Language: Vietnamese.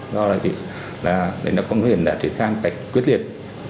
nó có nguyên nhân đã triển khai một cách quyết liệt